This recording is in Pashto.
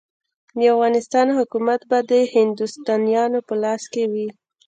د افغانستان حکومت به د هندوستانیانو په لاس کې وي.